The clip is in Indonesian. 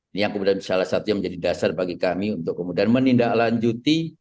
ini yang kemudian salah satu yang menjadi dasar bagi kami untuk kemudian menindaklanjuti